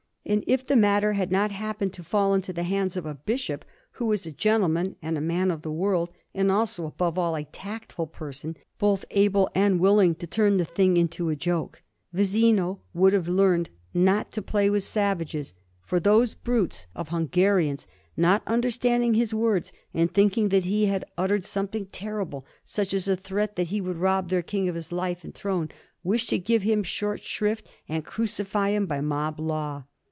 And if the matter had not happened to fall into the hands of a Bishop, who was a gentleman and a man of the world, and also, above all, a tactful person, both able and willing to turn the thing into a joke, Visino would have learnt not to play with savages; for those brutes of Hungarians, not understanding his words, and thinking that he had uttered something terrible, such as a threat that he would rob their King of his life and throne, wished to give him short shrift and crucify him by mob law.